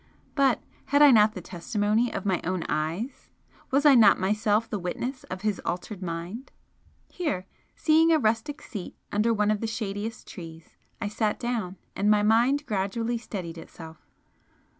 But, had I not the testimony of my own eyes? Was I not myselt the witness of his altered mind? Here, seeing a rustic seat under one of the shadiest trees, I sat down, and my mind gradually steadied itself.